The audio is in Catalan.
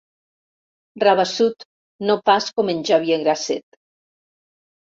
Rabassut, no pas com en Xavier Graset.